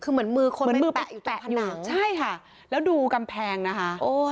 เหมือนมือแปะอยู่ตรงผนังใช่ค่ะแล้วดูกำแพงนะคะ